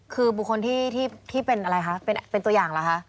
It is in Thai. คือบุคคลที่เป็นอะไรคะเป็นตัวอย่างเหรอคะ